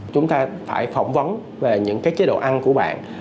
chúng ta phải phỏng vấn về những cái chế độ ăn của bạn